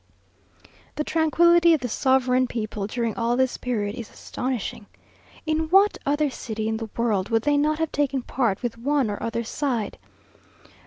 The tranquillity of the sovereign people during all this period, is astonishing. In what other city in the world would they not have taken part with one or other side?